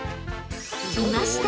［いました！